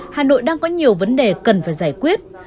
hà nội đang có nhiều vấn đề cần phải giải quyết